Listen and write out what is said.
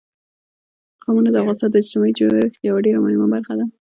قومونه د افغانستان د اجتماعي جوړښت یوه ډېره مهمه برخه ده.